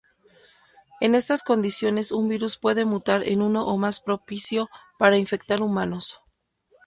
En estas condiciones un virus puede mutar en uno más propicio para infectar humanos.